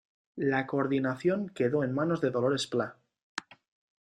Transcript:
La coordinación quedó en manos de Dolores Plá.